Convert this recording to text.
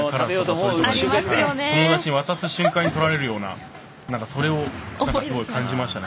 友達に渡す瞬間に取られるようなそれを感じましたね。